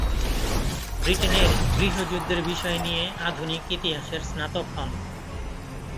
ব্রিটেনের গৃহযুদ্ধের বিষয় নিয়ে আধুনিক ইতিহাসের স্নাতক হন।